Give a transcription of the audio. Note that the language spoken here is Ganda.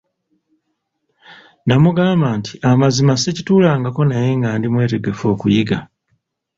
Namugamba nti amazima sikituulangako naye nga ndi mwetegefu okuyiga.